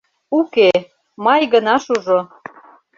Уке, май гына шужо...